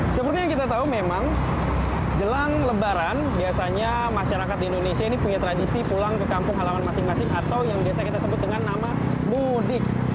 seperti yang kita tahu memang jelang lebaran biasanya masyarakat di indonesia ini punya tradisi pulang ke kampung halaman masing masing atau yang biasa kita sebut dengan nama muzik